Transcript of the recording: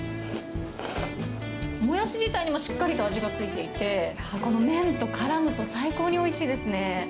モヤシ自体にもしっかりと味が付いていて、麺とからむと最高においしいですね。